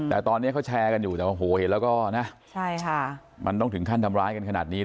แต่ตอนนี้เขาแชร์กันอยู่แต่โอ้โหเห็นแล้วก็นะมันต้องถึงขั้นทำร้ายกันขนาดนี้